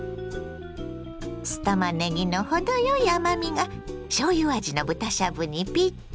酢たまねぎの程よい甘みがしょうゆ味の豚しゃぶにピッタリ。